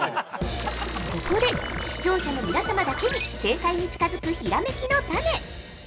◆ここで視聴者の皆様だけに正解に近づくひらめきのタネ。